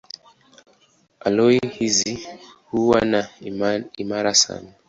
Aloi hizi huwa ni imara sana.